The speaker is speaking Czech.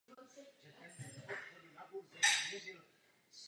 Věříme, že nezávislé a fungující soudnictví je nejdůležitější.